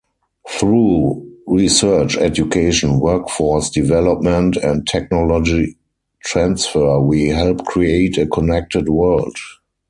Through research, education, workforce development and technology transfer, we help create a connected world.